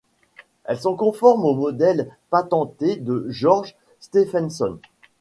Elles sont conformes au modèle Patentee de George Stephenson.